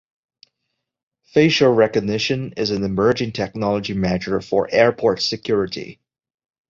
Facial recognition is an emerging technology measure for airport security.